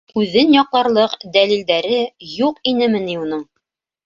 Үҙен яҡларлыҡ дәлилдәре юҡ инеме ни уның?